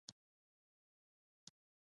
د کروندو هوا پاکه وي.